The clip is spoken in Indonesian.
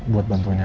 buat bantuin elsa